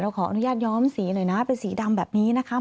ขออนุญาตย้อมสีหน่อยนะเป็นสีดำแบบนี้นะคะ